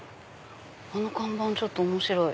あの看板ちょっと面白い。